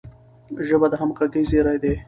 ژبه د همږغی زیری دی.